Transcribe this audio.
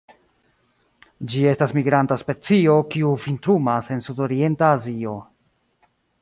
Ĝi estas migranta specio, kiu vintrumas en sudorienta Azio.